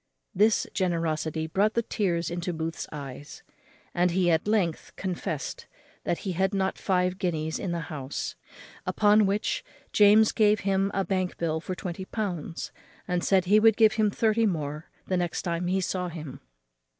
This generosity brought the tears into Booth's eyes; and he at length confest that he had not five guineas in the house; upon which James gave him a bank bill for twenty pounds, and said he would give him thirty more the next time he saw him.